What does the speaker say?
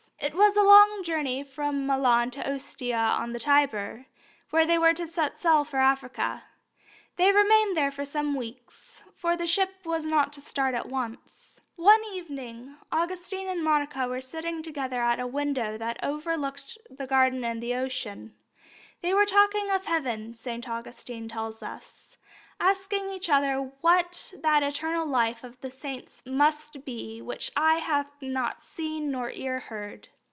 It was a long journey from Milan to Ostia on the Tiber, where they were to set sail for Africa. They remained there for some weeks, for the ship was not to start at once. One evening Augustine and Monica were sitting together at a window that overlooked the garden and the sea. They were talking of heaven, St. Augustine tells us, asking each other what that eternal life of the saints must be which eye hath not seen nor ear heard.